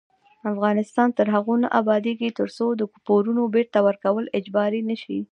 افغانستان تر هغو نه ابادیږي، ترڅو د پورونو بیرته ورکول اجباري نشي.